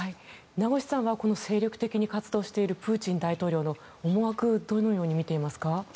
名越さんはこの精力的に活動されているプーチン大統領の思惑はどのように見ていますか。